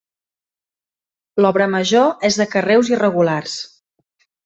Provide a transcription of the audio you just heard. L'obra major és de carreus irregulars.